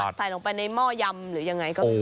ใส่ลงไปในหม้อยำหรือยังไง